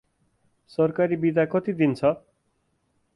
सरकारी बिदा कति दिन छ?